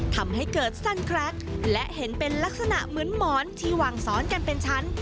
ทำให้เกิดสั้นแคล็กและเห็นเป็นลักษณะเหมือนหมอนที่วางซ้อนกันเป็นชั้น